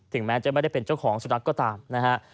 แม้จะไม่ได้เป็นเจ้าของสุนัขก็ตามนะฮะ